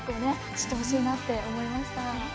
知ってほしいなって思いました。